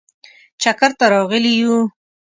چکر ته راغلي یو.